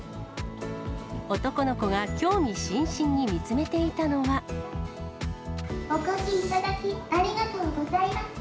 男の子が興味津々に見つめてお越しいただき、ありがとうございます。